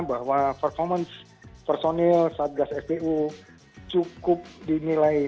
bahwa performance personil saat gas fpu cukup dinilai